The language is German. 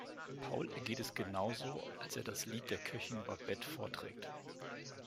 Paul ergeht es genauso, als er das Lied der Köchin Babette vorträgt.